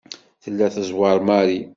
Tella tezweṛ Mary.